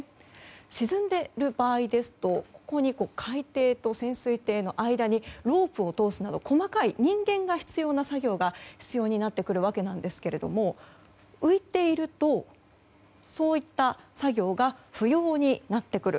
沈んでいる場合ですと海底と潜水艇の間にロープを通すなど、細かい人間が必要な作業が必要になってきますが浮いていると、そういった作業が不要になってくる。